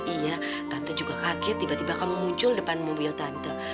iya tante juga kaget tiba tiba kamu muncul depan mobil tante